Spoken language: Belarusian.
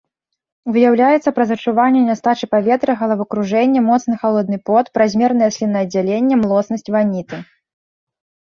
Выяўляецца праз адчуванне нястачы паветра, галавакружэнне, моцны халодны пот, празмернае слінааддзяленне, млоснасць, ваніты.